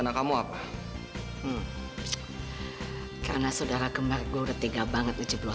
malah pengen macem macem